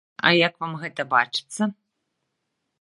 А як вам гэта бачыцца?